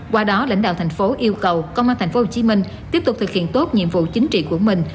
qua đó lãnh đạo thành phố yêu cầu công an tp hcm tiếp tục thực hiện tốt nhiệm vụ chính trị của mình